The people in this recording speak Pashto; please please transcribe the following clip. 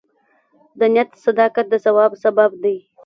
د نیت صداقت د ثواب سبب دی.